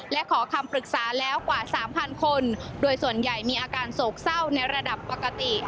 และขอคำปรึกษาแล้วกว่าสามพันคนโดยส่วนใหญ่มีอาการโศกเศร้าในระดับปกติ